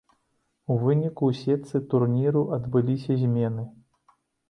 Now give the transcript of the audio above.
У выніку ў сетцы турніру адбыліся змены.